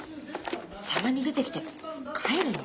たまに出てきて帰るの？